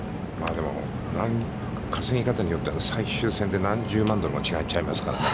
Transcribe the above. でも稼ぎ方によっては、最終戦で何十万ドルも違っちゃいますからね。